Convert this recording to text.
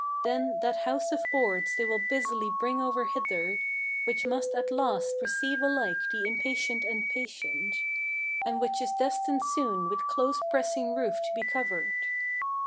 Then that house of boards they will busily bring over hither, Which must at last receive alike the impatient and patient, And which is destined soon with close pressing roof to be covered.'